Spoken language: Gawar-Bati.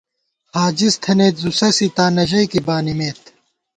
ہاجِز تھنئیت زُوسَسی، تاں نہ ژئیکےبانِمېت